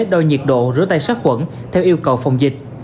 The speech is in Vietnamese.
đo nhiệt độ rửa tay sát quẩn theo yêu cầu phòng dịch